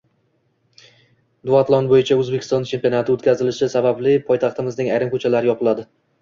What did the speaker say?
Duatlon bo‘yicha O‘zbekiston chempionati o‘tkazilishi sababli poytaxtimizning ayrim ko‘chalari yopiladi